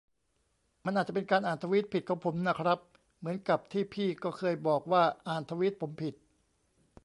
มันอาจจะเป็นการอ่านทวีตผิดของผมน่ะครับ เหมือนกับที่พี่ก็เคยบอกว่าอ่านทวีตผมผิด